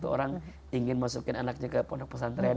orang ingin masukin anaknya ke pondok pesantren